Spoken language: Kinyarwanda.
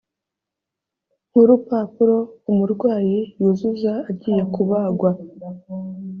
nk urupapuro umurwayi yuzuza agiye kubagwa